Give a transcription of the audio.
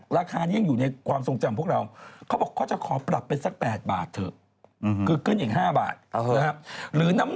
เรายังซึ้นสเต็ม๓บาทถูกต้องกันไหมหรือเปล่า